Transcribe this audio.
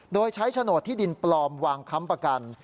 โดยใช้โฉนดที่ดินปลอมวางค้ำประกัน